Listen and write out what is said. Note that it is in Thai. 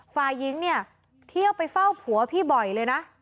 ฝ่ายหญิงเนี่ยเที่ยวไปเฝ้าผัวพี่บ่อยเลยนะ